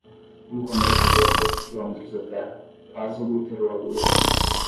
Um cometa veio a poucos quilômetros da Terra, quase obliterou a lua.